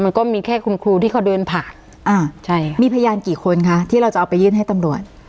มันก็มีแค่คุณครูที่เขาเดินผ่านอ่าใช่ค่ะมีพยานกี่คนคะที่เราจะเอาไปยื่นให้ตำรวจ